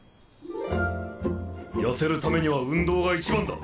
痩せるためには運動が一番だ！